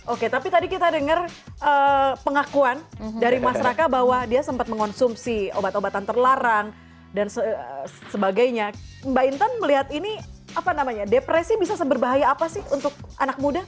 oke tapi tadi kita dengar pengakuan dari mas raka bahwa dia sempat mengonsumsi obat obatan terlarang dan sebagainya mbak intan melihat ini apa namanya depresi bisa seberbahaya apa sih untuk anak muda